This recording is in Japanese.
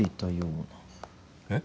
えっ？